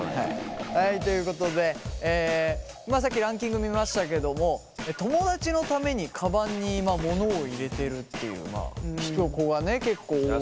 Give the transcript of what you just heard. はいということでまあさっきランキング見ましたけども友だちのためにカバンに今物を入れてるっていう子が結構多くて。